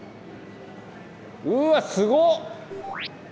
うわっすごっ！